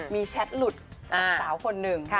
มีแชทหลุดกับสาวคนหนึ่ง